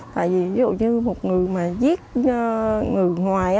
tại vì ví dụ như một người mà giết người ngoài